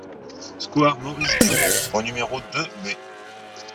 Square Maurice Dureau au numéro deux B